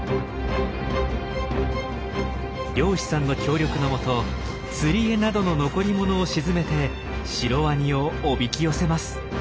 漁師さんの協力のもと釣り餌などの残りものを沈めてシロワニをおびき寄せます。